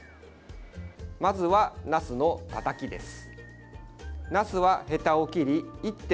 まずは、なすのたたきです。